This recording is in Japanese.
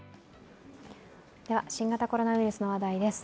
新型コロナウイルスの話題です。